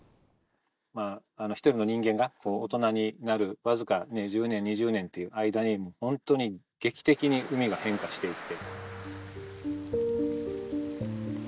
まあ１人の人間が大人になるわずか１０年２０年っていう間にホントに劇的に海が変化していって。